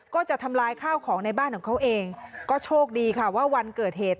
ก็จะทำลายข้าวของในบ้านของเขาเองก็โชคดีค่ะว่าวันเกิดเหตุ